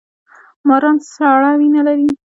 ماران سړه وینه لري